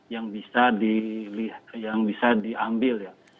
yang bisa diambil ya